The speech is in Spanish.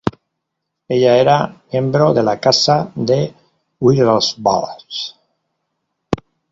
Ella era miembro de la Casa de Wittelsbach.